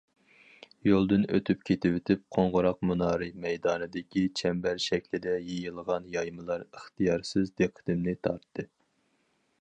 يولدىن ئۆتۈپ كېتىۋېتىپ،‹‹ قوڭغۇراق مۇنارى›› مەيدانىدىكى چەمبەر شەكلىدە يېيىلغان يايمىلار ئىختىيارسىز دىققىتىمنى تارتتى.